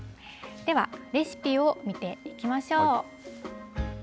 では、レシピを見ていきましょう。